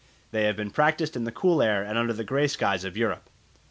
They have been practised in the cool air and under the grey skies of Europe.